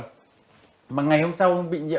thế thì ông cho rằng cái việc đấy là bình thường